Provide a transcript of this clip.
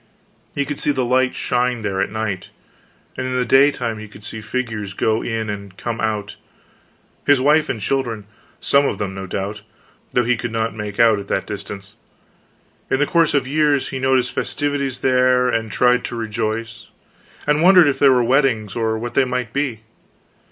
He could see the lights shine there at night, and in the daytime he could see figures go in and come out his wife and children, some of them, no doubt, though he could not make out at that distance. In the course of years he noted festivities there, and tried to rejoice, and wondered if they were weddings or what they might be.